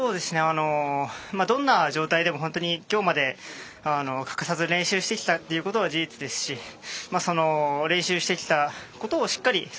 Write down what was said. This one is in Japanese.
どんな状態でも今日まで欠かさず練習してきたというのは事実ですし練習してきたことを、しっかり。